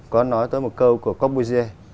có nói tới một câu của corbusier